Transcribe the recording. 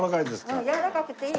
うんやわらかくていい。